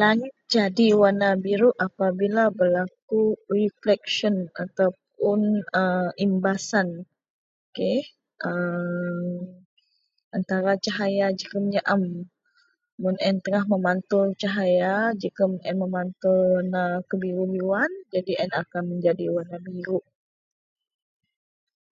Langit jadi werena biruk apabila berlaku reflection ataupun a imbasan. K a, antara cahaya jegem nyaem, mun a yen tengah memantul cahaya jegem a yen memantul werena kebiru-biruan, jadi a yen akan menjadi werena biruk.